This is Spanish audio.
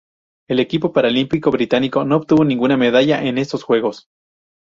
El equipo paralímpico británico no obtuvo ninguna medalla en estos Juegos.